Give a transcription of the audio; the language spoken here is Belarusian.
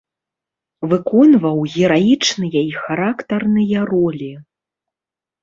Выконваў гераічныя і характарныя ролі.